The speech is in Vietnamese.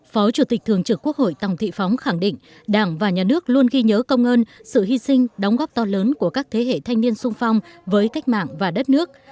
phó chủ tịch thường trực quốc hội tòng thị phóng khẳng định đảng và nhà nước luôn ghi nhớ công ơn sự hy sinh đóng góp to lớn của các thế hệ thanh niên sung phong với cách mạng và đất nước